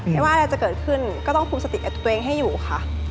ไม่ว่าอะไรจะเกิดขึ้นก็ต้องคุมสติกับตัวเองให้อยู่ค่ะ